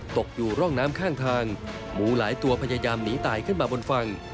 ตกอยู่ร่องน้ำข้างทางหมูหลายตัวพยายามหนีตายขึ้นมาบนฝั่ง